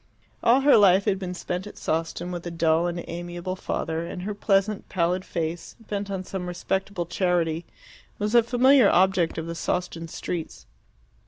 All her life had been spent at Sawston with a dull and amiable father, and her pleasant, pallid face, bent on some respectable charity, was a familiar object of the Sawston streets.